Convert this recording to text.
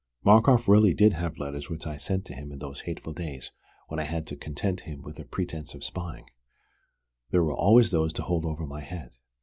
Markoff really did have letters which I had sent him in those hateful days when I had to content him with a pretense of spying. There were always those to hold over my head.